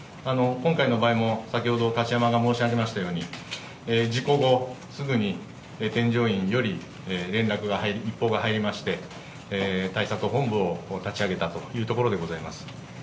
今回の場合も、先ほど、が申しあげましたように、事故後、すぐに添乗員より連絡が、一報が入りまして、対策本部を立ち上げたというところでございま